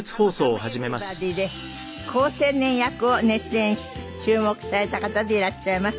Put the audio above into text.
朝ドラ『カムカムエヴリバディ』で好青年役を熱演し注目された方でいらっしゃいます。